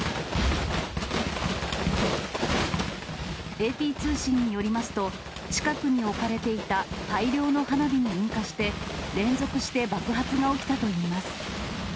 ＡＰ通信によりますと、近くに置かれていた大量の花火に引火して、連続して爆発が起きたといいます。